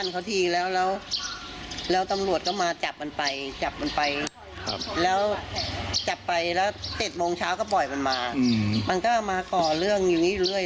ก็ปล่อยมันมามันก็มาก่อเรื่องอยู่นี้เรื่อย